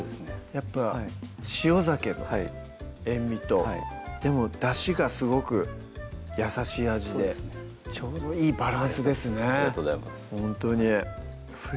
やっぱ塩ざけの塩味とでもだしがすごく優しい味でちょうどいいバランスですねありがとうございます